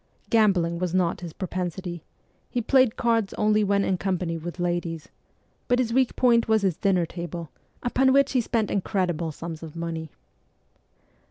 Gambling was not his pro pensity he played cards only when in company with ladies ; but his weak point was his dinner table, upon which he spent incredible sums of money.